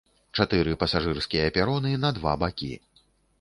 Чатыры пасажырскія пероны на два бакі.